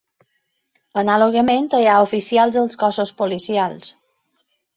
Anàlogament hi ha oficials als cossos policials.